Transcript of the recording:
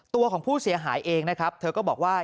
ตัวของผู้เสียหายเองนะครับเธอก็บอกว่า